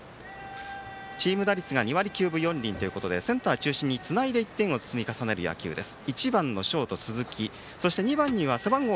チーム打率が２割９分４厘ということでセンター中心につないで１点を積み重ねる野球です。